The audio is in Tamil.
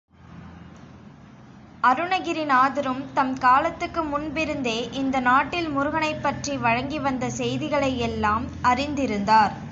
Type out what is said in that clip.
அருணகிரிநாதரும் தம் காலத்துக்கு முன்பிருந்தே இந்த நாட்டில் முருகனைப் பற்றி வழங்கி வந்த செய்திகளை எல்லாம் அறிந்திருந்தார்.